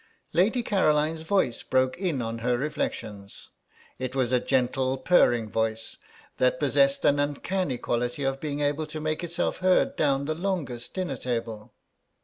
Lady Caroline's voice broke in on her reflections; it was a gentle purring voice, that possessed an uncanny quality of being able to make itself heard down the longest dinner table.